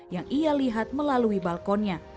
yang ia lihat melalui balkonnya